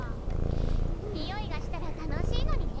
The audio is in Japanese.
においがしたら楽しいのにね。